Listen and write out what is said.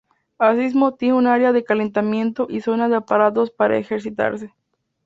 Así mismo, tiene un área de calentamiento y zona de aparatos para ejercitarse.